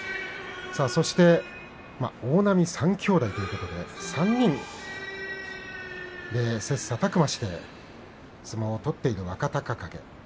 そして大波三兄弟ということで３人、切さたく磨して相撲を取っている若隆景。